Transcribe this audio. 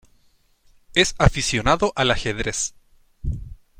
Es aficionado al ajedrez.